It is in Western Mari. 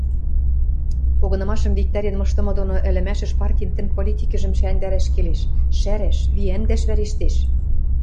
Погынымашым виктӓрен мыштымы доно ӹлӹмӓшӹш партин тӹнг политикӹжӹм шӹнгдӓрӓш келеш, шӓрӓш, виӓнгдӓш вӓрештеш.